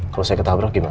kalau saya ketabrak gimana